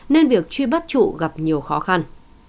nên việc truy bắt trụ gặp nhiều khó khăn